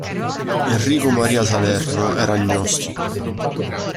Enrico Maria Salerno era agnostico.